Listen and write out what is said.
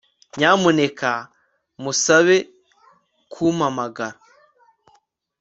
Nyamuneka musabe kumpamagara